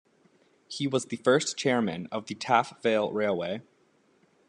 He was the first chairman of the Taff Vale Railway.